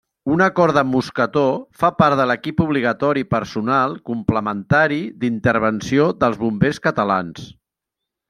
Una corda amb mosquetó fa part de l'equip obligatori personal complementari d'intervenció dels bombers catalans.